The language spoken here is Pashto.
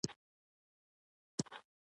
ماشومان مې له ښوونځیو پاتې دي